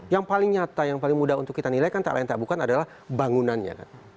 yang paling nyata yang paling mudah untuk kita nilai kan tak lain tak bukan adalah bangunannya kan